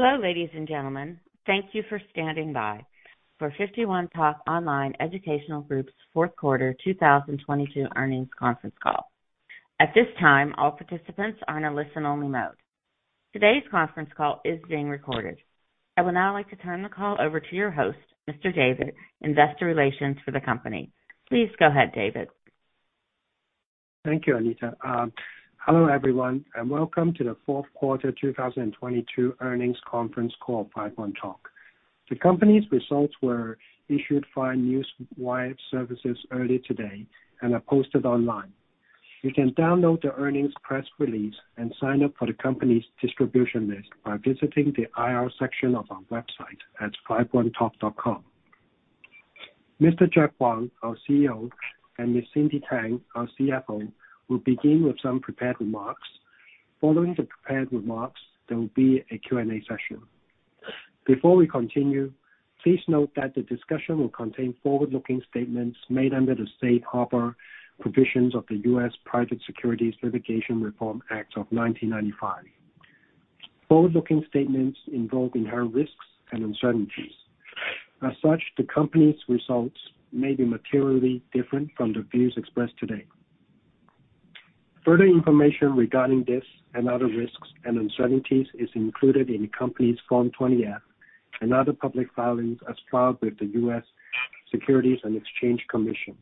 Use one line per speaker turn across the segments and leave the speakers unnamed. Hello, ladies and gentlemen. Thank you for standing by for 51Talk Online Education Group's Fourth Quarter 2022 Earnings Conference Call. At this time, all participants are in a listen-only mode. Today's conference call is being recorded. I would now like to turn the call over to your host, Mr. David, Investor Relations for the company. Please go ahead, David.
Thank you, Anita. Hello everyone, welcome to the Fourth Quarter 2022 Earnings Conference Call, 51Talk. The company's results were issued via news wire services early today and are posted online. You can download the earnings press release and sign up for the company's distribution list by visiting the IR section of our website at ir.51talk.com. Mr. Jack Huang, our CEO, and Ms. Cindy Tang, our CFO, will begin with some prepared remarks. Following the prepared remarks, there will be a Q&A session. Before we continue, please note that the discussion will contain forward-looking statements made under the Safe Harbor provisions of the U.S. Private Securities Litigation Reform Act of 1995. Forward-looking statements involve inherent risks and uncertainties. As such, the company's results may be materially different from the views expressed today. Further information regarding this and other risks and uncertainties is included in the company's Form 20-F and other public filings as filed with the U.S. Securities and Exchange Commission.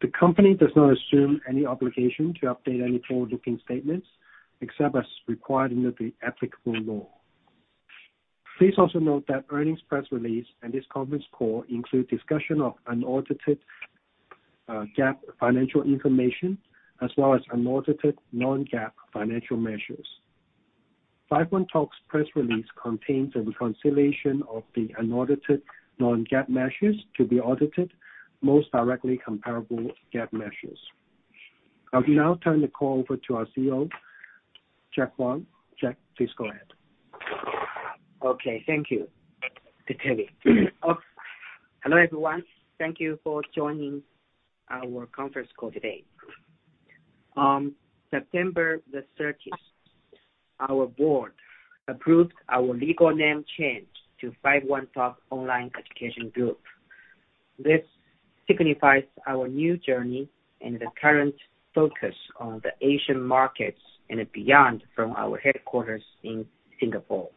The company does not assume any obligation to update any forward-looking statements except as required under the applicable law. Please also note that earnings press release and this conference call include discussion of unaudited GAAP financial information, as well as unaudited non-GAAP financial measures. 51Talk's press release contains a reconciliation of the unaudited non-GAAP measures to be audited most directly comparable GAAP measures. I'll now turn the call over to our CEO, Jack Huang. Jack, please go ahead.
Thank you. Hello, everyone. Thank you for joining our conference call today. September 30th, our board approved our legal name change to 51Talk Online Education Group. This signifies our new journey and the current focus on the Asian markets and beyond from our headquarters in Singapore.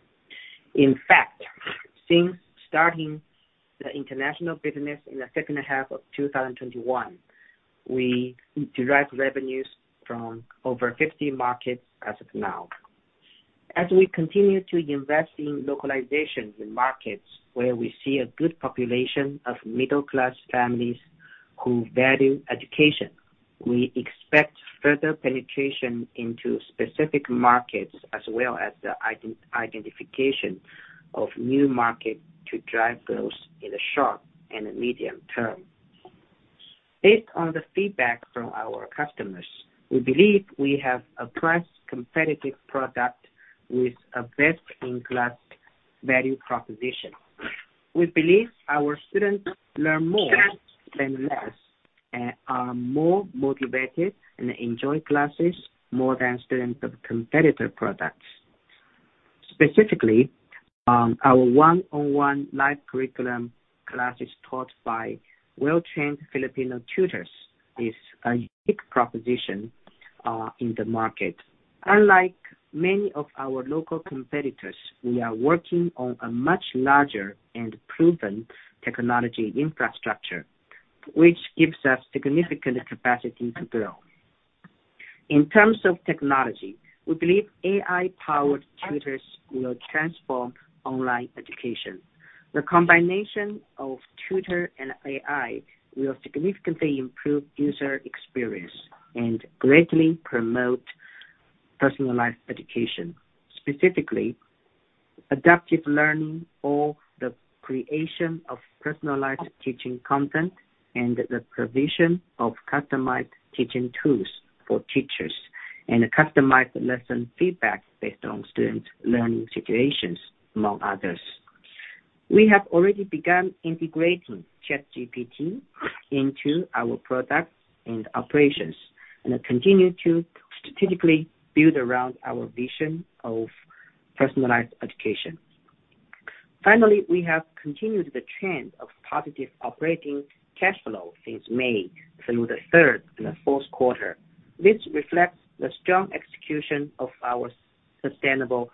In fact, since starting the international business in the second half of 2021, we derive revenues from over 50 markets as of now. As we continue to invest in localization in markets where we see a good population of middle-class families who value education, we expect further penetration into specific markets, as well as the identification of new market to drive growth in the short and the medium term. Based on the feedback from our customers, we believe we have a price-competitive product with a best-in-class value proposition. We believe our students learn more than less and are more motivated and enjoy classes more than students of competitor products. Specifically, our one-on-one live curriculum classes taught by well-trained Filipino tutors is a unique proposition in the market. Unlike many of our local competitors, we are working on a much larger and proven technology infrastructure, which gives us significant capacity to grow. In terms of technology, we believe AI-powered tutors will transform online education. The combination of tutor and AI will significantly improve user experience and greatly promote personalized education, specifically adaptive learning or the creation of personalized teaching content, and the provision of customized teaching tools for teachers, and a customized lesson feedback based on student learning situations, among others. We have already begun integrating ChatGPT into our products and operations, and continue to strategically build around our vision of personalized education. We have continued the trend of positive operating cash flow since May through the third and fourth quarter. This reflects the strong execution of our sustainable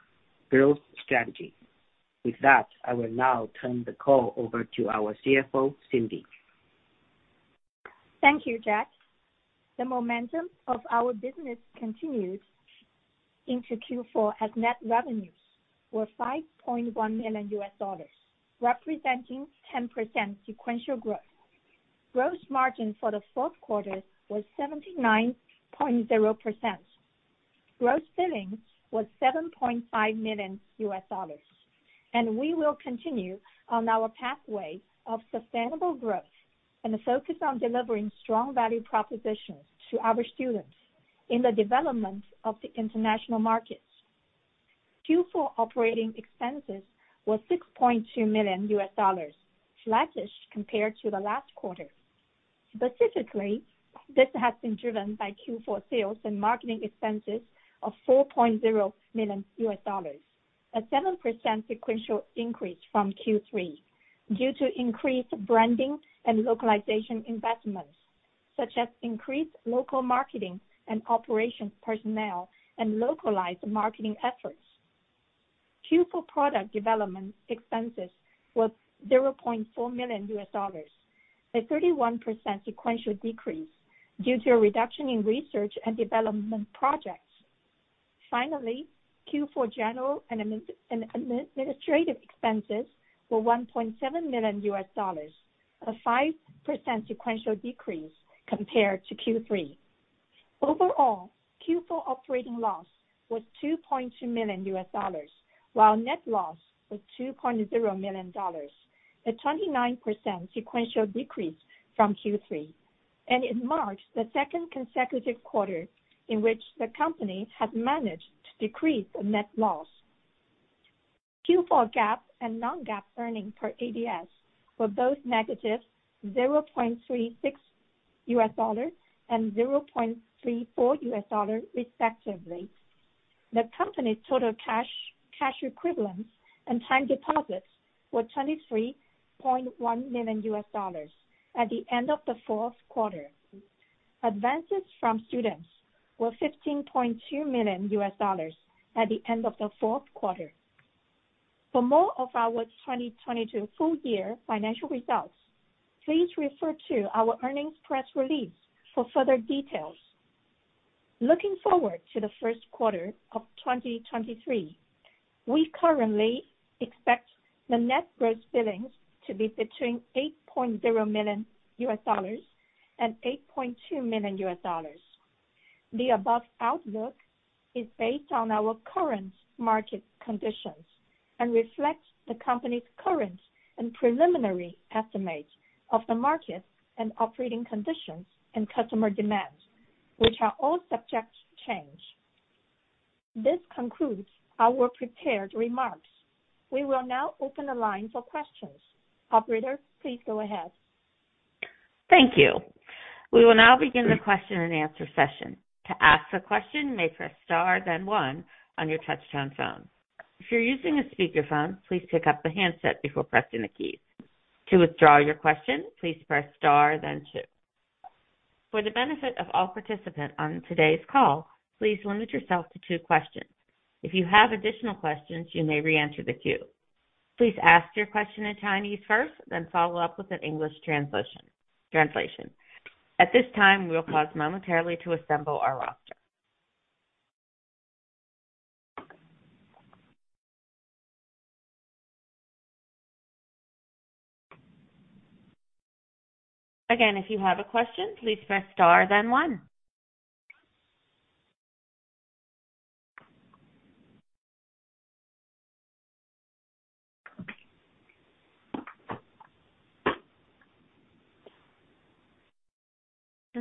growth strategy. With that, I will now turn the call over to our CFO, Cindy.
Thank you, Jack. The momentum of our business continued into Q4, as net revenues were $5.1 million, representing 10% sequential growth. Gross margin for the fourth quarter was 79.0%. Gross billings was $7.5 million. We will continue on our pathway of sustainable growth and focus on delivering strong value propositions to our students in the development of the international markets. Q4 operating expenses were $6.2 million, flattish compared to the last quarter. Specifically, this has been driven by Q4 sales and marketing expenses of $4.0 million. A 7% sequential increase from Q3 due to increased branding and localization investments such as increased local marketing and operations personnel and localized marketing efforts. Q4 product development expenses were $0.4 Million, a 31% sequential decrease due to a reduction in research and development projects. Q4 general and administrative expenses were $1.7 million, a 5% sequential decrease compared to Q3. Overall, Q4 operating loss was $2.2 million, while net loss was $2.0 million, a 29% sequential decrease from Q3. It marks the second consecutive quarter in which the company has managed to decrease the net loss. Q4 GAAP and non-GAAP earnings per ADS were both -$0.36 and $0.34, respectively. The company's total cash equivalents and time deposits were $23.1 million at the end of the fourth quarter. Advances from students were $15.2 million at the end of the fourth quarter. For more of our 2022 full-year financial results, please refer to our earnings press release for further details. Looking forward to the first quarter of 2023, we currently expect the net gross billings to be between $8.0 million and $8.2 million. The above outlook is based on our current market conditions and reflects the company's current and preliminary estimates of the market and operating conditions and customer demands, which are all subject to change. This concludes our prepared remarks. We will now open the line for questions. Operator, please go ahead.
Thank you. We will now begin the question-and-answer session. To ask a question, may press star then one on your touchtone phone. If you're using a speakerphone, please pick up the handset before pressing the keys. To withdraw your question, please press star then two. For the benefit of all participants on today's call, please limit yourself to two questions. If you have additional questions, you may re-enter the queue. Please ask your question in Chinese first, then follow up with an English translation. At this time, we'll pause momentarily to assemble our roster. If you have a question, please press star then one.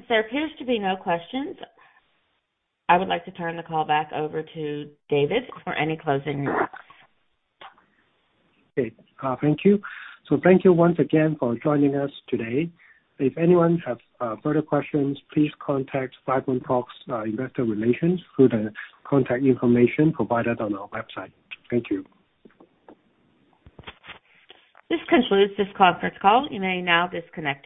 There appear to be no questions. I would like to turn the call back over to David for any closing remarks.
Okay. Thank you. Thank you once again for joining us today. If anyone has further questions, please contact 51Talk's Investor Relations through the contact information provided on our website. Thank you.
This concludes this conference call. You may now disconnect.